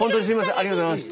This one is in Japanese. ありがとうございます。